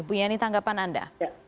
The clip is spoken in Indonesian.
bu yani tanggapan anda